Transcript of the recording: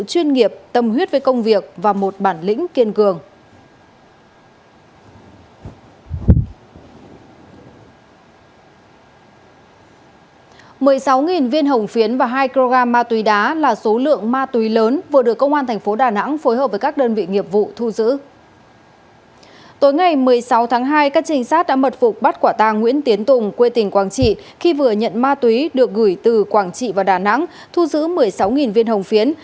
tối ngày một mươi sáu tháng hai các trinh sát đã mật phục bắt quả tang nguyễn tiến tùng quê tỉnh quảng trị khi vừa nhận ma túy được gửi từ quảng trị và đà nẵng thu giữ một mươi sáu viên hồng phiến